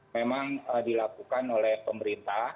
memang dilakukan oleh pemerintah